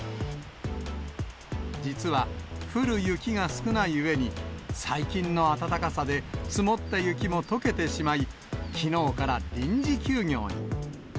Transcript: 実は降る雪が少ないうえに、最近の暖かさで積もった雪もとけてしまい、きのうから臨時休業に。